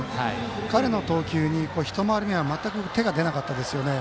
彼の投球に一回り目は全く手が出なかったですよね。